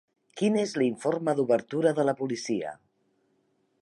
Quin és l'informe d'obertura de la policia?